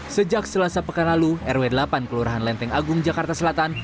sejak selasa pekan lalu rw delapan kelurahan lenteng agung jakarta selatan